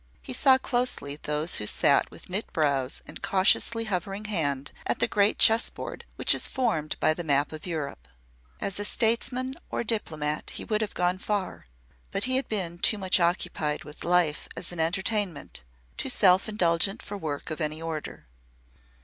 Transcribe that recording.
He saw closely those who sat with knit brows and cautiously hovering hand at the great chess board which is formed by the map of Europe. As a statesman or a diplomat he would have gone far, but he had been too much occupied with Life as an entertainment, too self indulgent for work of any order.